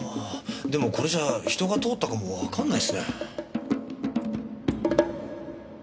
でもこれじゃ人が通ったかもわからないですね。